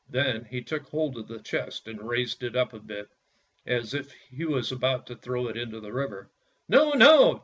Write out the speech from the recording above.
Then he took hold of the chest and raised it up a bit, as if he was about to throw it into the river. " No, no!